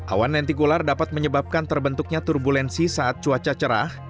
awan lentikular dapat menyebabkan terbentuknya turbulensi saat cuaca cerah